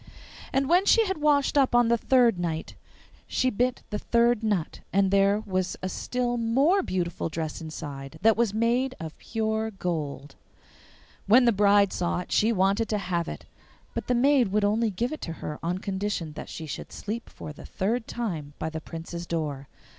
And when she had washed up on the third night she bit the third nut, and there was a still more beautiful dress inside that was made of pure gold. When the bride saw it she wanted to have it, but the maid would only give it her on condition that she should sleep for the third time by the Prince's door.